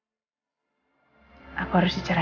aku bahkan kekal vertical ee